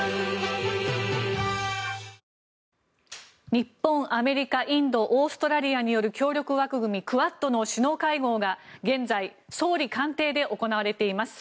日本、アメリカインド、オーストラリアによる協力枠組み、クアッドの首脳会合が現在、総理官邸で行われています。